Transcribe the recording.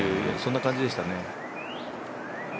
そんな感じでしたね。